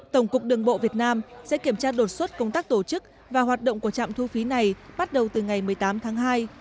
tổng cục đường bộ việt nam sẽ kiểm tra đột xuất công tác tổ chức và hoạt động của trạm thu phí này bắt đầu từ ngày một mươi tám tháng hai